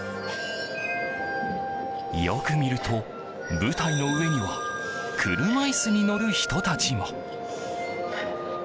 よく見ると、舞台の上には車いすに乗る人たちが。